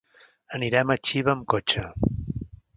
Anirem a Xiva amb cotxe.